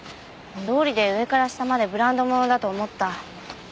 どうりで上から下までブランド物だと思った。